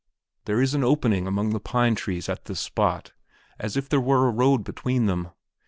There is an opening among the pine trees at that spot, as if there were a road between them.